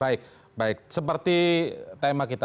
baik baik seperti tema kita